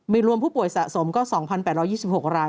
มีรวมผู้ป่วยสะสมก็๒๘๒๖ราย